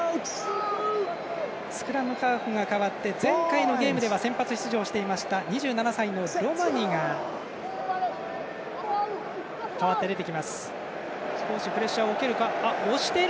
スクラムハーフが代わって前回のゲームでは先発出場していました２７歳のロマニが代わって出てきます。